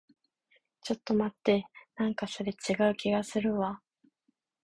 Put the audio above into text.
ちょっと待って。なんかそれ、違う気がするわ。